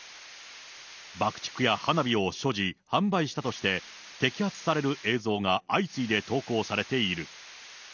爆竹や花火を所持、販売したとして、摘発される映像が相次いで投稿されている。